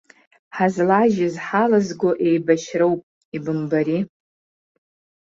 Ҳазлажьыз ҳалызго еибашьроуп, ибымбари.